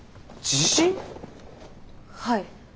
はい。